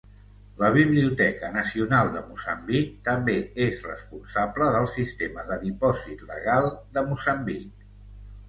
La Biblioteca Nacional de Moçambic també és responsable del sistema de dipòsit legal de Moçambic.